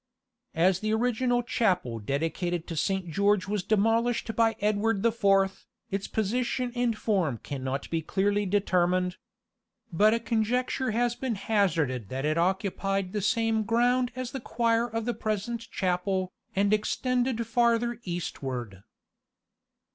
As the original chapel dedicated to Saint George was demolished by Edward the Fourth, its position and form cannot be clearly determined, But a conjecture has been hazarded that it occupied the same ground as the choir of the present chapel, and extended farther eastward.